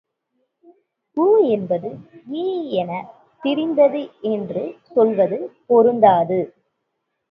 உ என்பது இ எனத் திரிந்தது என்று சொல்வது பொருந்தாது.